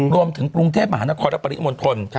รวมถึงกรุงเทพมหานครและปริมณฑล